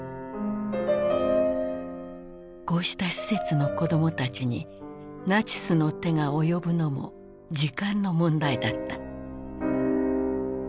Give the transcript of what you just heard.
こうした施設の子どもたちにナチスの手が及ぶのも時間の問題だった。